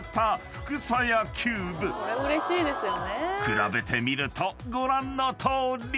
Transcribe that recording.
［比べてみるとご覧のとおり］